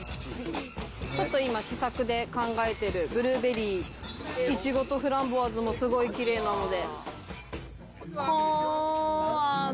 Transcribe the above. ちょっと今、試作で考えてるブルーベリー、イチゴとフランボワーズもすごいきれいなので。